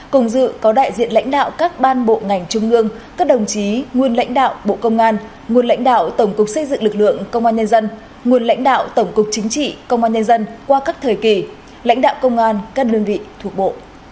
cùng dự có đại diện lãnh đạo các ban bộ ngành trung ương các đồng chí nguyên lãnh đạo bộ công an nguồn lãnh đạo tổng cục xây dựng lực lượng công an nhân dân nguồn lãnh đạo tổng cục chính trị công an nhân dân qua các thời kỳ lãnh đạo công an các đơn vị thuộc bộ